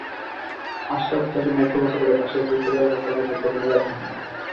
আশরাফ তাঁকে মাইক্রোবাসে করে বাসায় পৌঁছে দেওয়ার কথা বললে তরুণী রাজি হননি।